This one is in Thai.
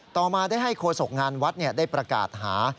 ต่อมาได้ให้โฆษกงานวัดได้ประกาศหา